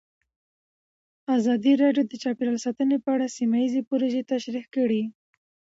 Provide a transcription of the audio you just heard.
ازادي راډیو د چاپیریال ساتنه په اړه سیمه ییزې پروژې تشریح کړې.